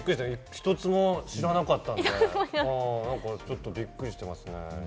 １つも知らなかったので、ちょっとびっくりしてますね。